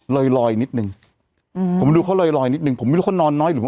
ลอยลอยนิดนึงอืมผมดูเขาลอยลอยนิดนึงผมไม่รู้เขานอนน้อยหรือผม